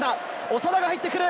長田が入ってくる。